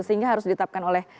sehingga harus ditetapkan oleh